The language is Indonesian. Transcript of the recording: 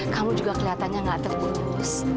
kamu juga kelihatannya nggak terputus